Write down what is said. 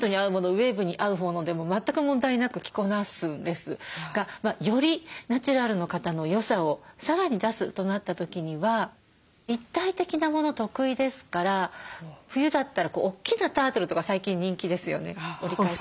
ウエーブに合うものでも全く問題なく着こなすんですがよりナチュラルの方の良さをさらに出すとなった時には立体的なもの得意ですから冬だったら大きなタートルとか最近人気ですよね折り返しの。